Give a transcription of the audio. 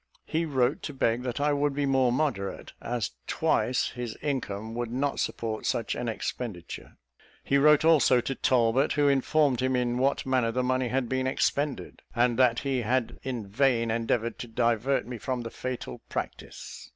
He wrote to beg that I would be more moderate; as twice his income would not support such an expenditure. He wrote also to Talbot, who informed him in what manner the money had been expended; and that he had in vain endeavoured to divert me from the fatal practice.